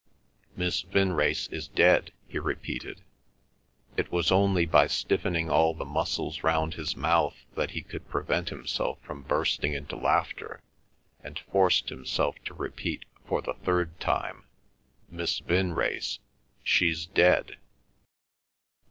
"Miss Vinrace is dead," he repeated. It was only by stiffening all the muscles round his mouth that he could prevent himself from bursting into laughter, and forced himself to repeat for the third time, "Miss Vinrace. ... She's dead."